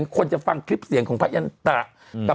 คนจะฟังคลิปเสียงของพระยันตะกับ